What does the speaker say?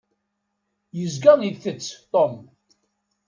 Yezga itett Tom.